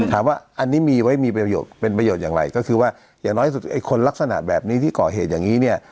ถามว่าอันนี้มีไว้มีประโยชน์เป็นประโยชน์อย่างไรก็คือว่าอย่างน้อยสุดไอ้คนลักษณะแบบนี้ที่ก่อเหตุอย่างนี้เนี่ย